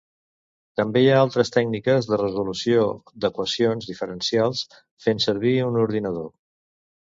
També hi ha altres tècniques de resolució d'equacions diferencials, fent servir un ordinador.